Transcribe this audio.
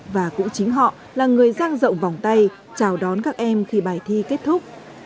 và cũng chính họ là người giang rộng vòng tay chào đón các em khi bài thi kết thúc